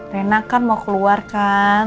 rena kan mau keluar kan